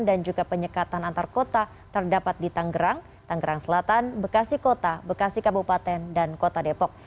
dan juga penyekatan antar kota terdapat di tangerang tangerang selatan bekasi kota bekasi kabupaten dan kota depok